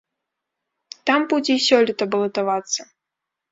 Там будзе і сёлета балатавацца.